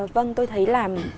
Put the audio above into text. vâng tôi thấy là